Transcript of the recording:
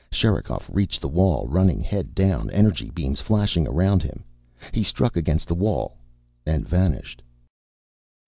Sherikov reached the wall, running head down, energy beams flashing around him. He struck against the wall and vanished.